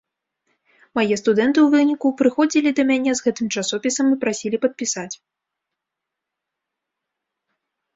Мае студэнты ў выніку прыходзілі да мяне з гэтым часопісам і прасілі падпісаць.